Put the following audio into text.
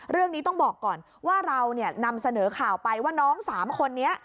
เรื่องนี้ต้องบอกก่อนว่าเรานำเสนอข่าวไปว่าน้องสามคนนี้